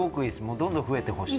どんどん増えてほしい。